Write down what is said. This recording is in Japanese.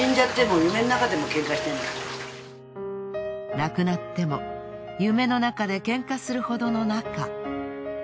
亡くなっても夢の中でケンカするほどの仲。